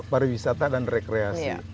pariwisata dan rekreasi